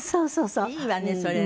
そうそうそう。